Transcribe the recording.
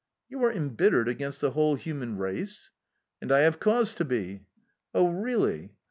"You are embittered against the whole human race?" "And I have cause to be"... "Oh, really?"